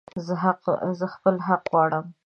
زه خپل حق غواړم